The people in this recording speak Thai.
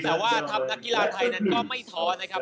แต่ว่าทัพนักกีฬาไทยนั้นก็ไม่ท้อนะครับ